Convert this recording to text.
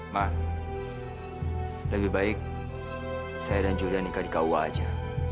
ma lebih baik saya dan julia nikah di kaua aja